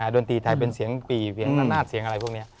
ดนตรีไทยเป็นเสียงปี่เสียงละนาดเสียงอะไรพวกนี้